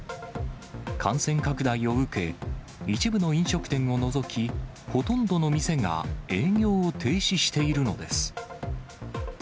感染拡大を受け、一部の飲食店を除き、ほとんどの店が営業を停止しているのです。